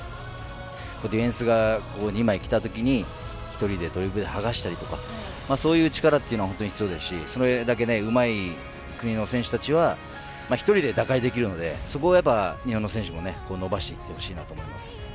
ディフェンスが２枚きたときに１人でドリブル剥がしたりとかそういう力ほんとに大切ですしそれだけでうまい国の選手たちは１人で打開できるのでそこは日本の選手も伸ばしてほしいと思います。